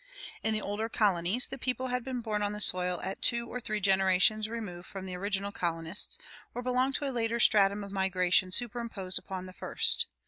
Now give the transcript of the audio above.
In the older colonies the people had been born on the soil at two or three generations' remove from the original colonists, or belonged to a later stratum of migration superimposed upon the first.